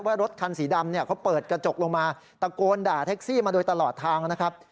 รถคันสีดำเนี่ยเขาเปิดกระจกลงมาตะโกนด่าแท็กซี่มาโดยตลอดทางนะครับ